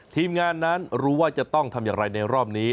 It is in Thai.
ทีมงานนั้นรู้ว่าจะต้องทำอย่างไรในรอบนี้